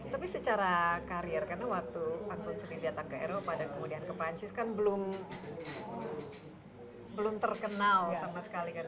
tapi secara karir karena waktu anggun seri datang ke eropa kemudian ke perancis kan belum terkenal sama sekali kan